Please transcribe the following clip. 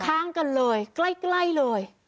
ข้างกันเลยใกล้เลย